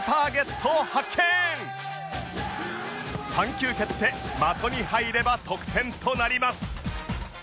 ３球蹴って的に入れば得点となります